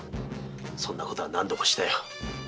そんなことは何度もしたよ。